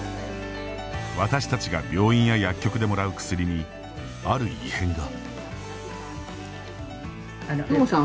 私たちが、病院や薬局でもらう薬に、ある異変が。